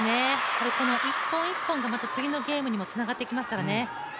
１本１本がまた次のゲームにもつながっていきますからね。